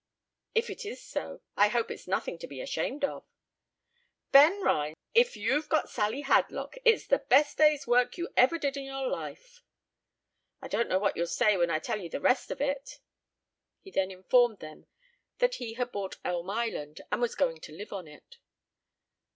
"If it is so, I hope it's nothing to be ashamed of." "Ben Rhines, if you've got Sally Hadlock, it's the best day's work you ever did in your life." "I don't know what you'll say when I tell you the rest of it." He then informed them that he had bought Elm Island, and was going to live on it.